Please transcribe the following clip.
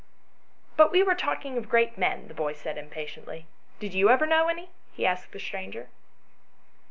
" But we were talking of great men," the boy said impatiently. " Did you ever know any ?" he asked the stranger.